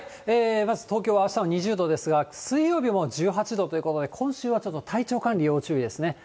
まず東京はあしたは２０度ですが、水曜日も１８度ということで、今週はちょっと体調管理、要注意ですね。